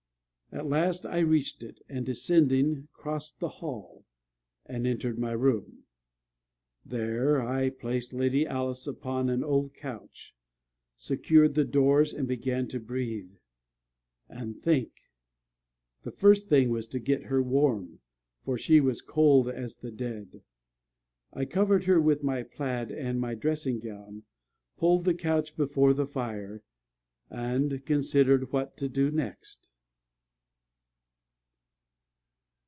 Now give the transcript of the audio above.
At last I reached it, and descending, crossed the hall, and entered my room. There I placed Lady Alice upon an old couch, secured the doors, and began to breathe and think. The first thing was to get her warm, for she was cold as the dead. I covered her with my plaid and my dressing gown, pulled the couch before the fire, and considered what to do next.